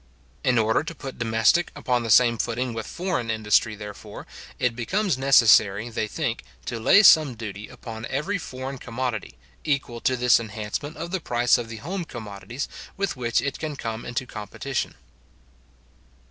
In order to put domestic upon the same footing with foreign industry, therefore, it becomes necessary, they think, to lay some duty upon every foreign commodity, equal to this enhancement of the price of the home commodities with which it can come into competition.